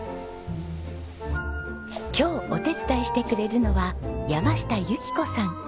今日お手伝いしてくれるのは山下由希子さん。